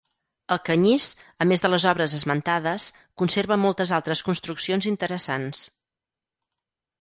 Alcanyís -a més de les obres esmentades- conserva moltes altres construccions interessants.